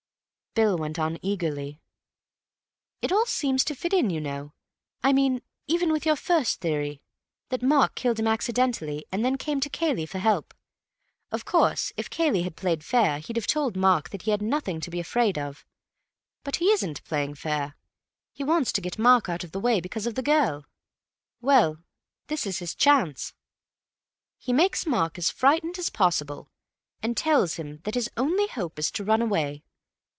Bill went on eagerly: "It all seems to fit in, you know. I mean even with your first theory—that Mark killed him accidentally and then came to Cayley for help. Of course, if Cayley had played fair, he'd have told Mark that he had nothing to be afraid of. But he isn't playing fair; he wants to get Mark out of the way because of the girl. Well, this is his chance. He makes Mark as frightened as possible, and tells him that his only hope is to run away.